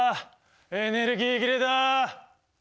エネルギー切れだ」とか。